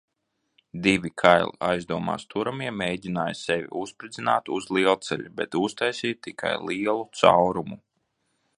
Divi kaili aizdomās turamie mēģināja sevi uzspridzināt uz lielceļa, bet uztaisīja tikai lielu caurumu.